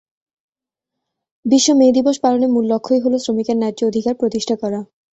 বিশ্ব মে দিবস পালনের মূল লক্ষ্যই হলো শ্রমিকের ন্যায্য অধিকার প্রতিষ্ঠা করা।